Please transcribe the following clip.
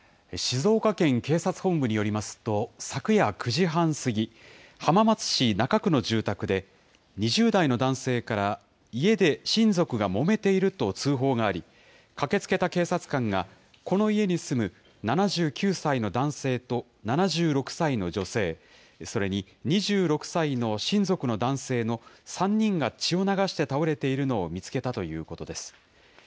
静岡県警察本部によりますと、昨夜９時半過ぎ、浜松市中区の住宅で、２０代の男性から、家で親族がもめていると通報があり、駆けつけた警察官が、この家に住む、７９歳の男性と７６歳の女性、それに２６歳の親族の男性の３人が血を流して倒れているのを見つけたということです。